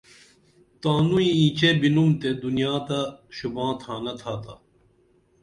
تانوئی اینچے بِنُم تے دنیا تہ شوباں تھانہ تھا